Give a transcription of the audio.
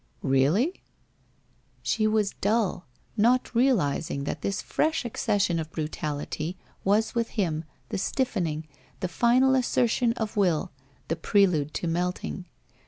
' Really ?' She was dull, not realizing that this fresh accession of brutality was with him the stiffening, the final assertion of will, the prelude to melting.